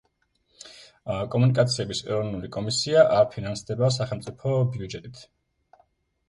კომუნიკაციების ეროვნული კომისია არ ფინანსდება სახელმწიფო ბიუჯეტით.